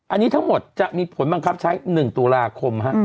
อันนี้ทั้งหมดจะมีผลบังคับใช้๑ตุลาคม